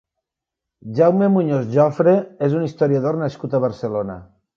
Jaume Muñoz Jofre és un historiador nascut a Barcelona.